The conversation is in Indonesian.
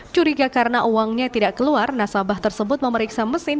curiga karena uangnya tidak keluar nasabah tersebut memeriksa mesin